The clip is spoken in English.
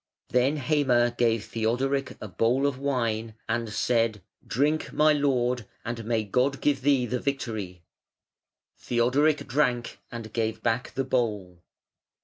Then Heime gave Theodoric a bowl of wine and said: "Drink, my lord, and may God give thee the victory". Theodoric drank and gave back the bowl.